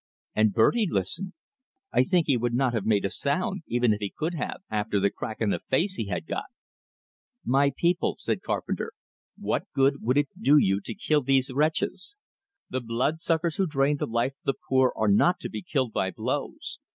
And Bertie listened; I think he would not have made a sound, even if he could have, after the crack in the face he had got. "My people," said Carpenter, "what good would it do you to kill these wretches? The blood suckers who drain the life of the poor are not to be killed by blows.